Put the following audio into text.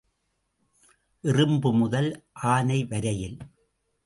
எறும்பு முதல் ஆனை வரையில்.